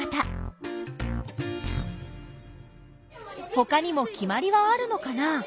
ほかにもきまりはあるのかな？